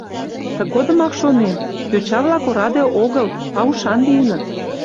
Тыгодымак шонем: йоча-влак ораде огыл, а ушан лийыныт.